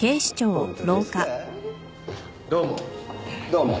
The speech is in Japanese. どうも。